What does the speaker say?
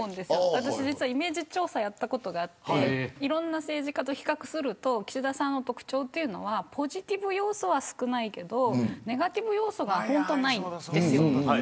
私、実はイメージ調査をやったことがあっていろんな政治家と比較すると岸田さんの特徴というのはポジティブ要素は少ないけどネガティブ要素が本当にないんです。